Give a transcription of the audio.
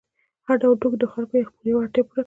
هر ډول توکي د خلکو یوه اړتیا پوره کوي.